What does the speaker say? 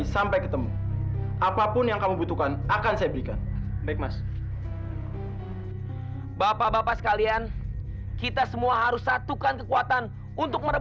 sampai jumpa di video selanjutnya